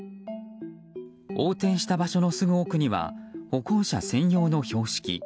横転した場所のすぐ奥には歩行者専用の標識。